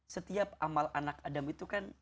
setiap amal anak adam itu kan